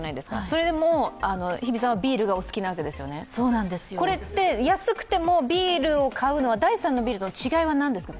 それでも日比さんはビールがお好きなわけですよね、これって安くてもビールを買うのは第３のビールとの違いは何ですか？